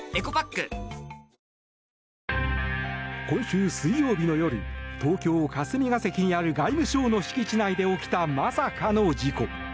今週水曜日の夜東京・霞が関にある外務省の敷地内で起きたまさかの事故。